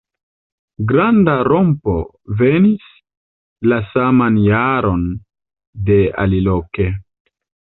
Granda rompo venis la saman jaron de aliloke.